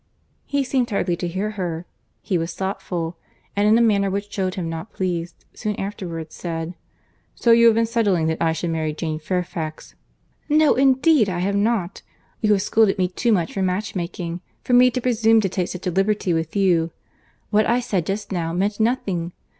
He seemed hardly to hear her; he was thoughtful—and in a manner which shewed him not pleased, soon afterwards said, "So you have been settling that I should marry Jane Fairfax?" "No indeed I have not. You have scolded me too much for match making, for me to presume to take such a liberty with you. What I said just now, meant nothing.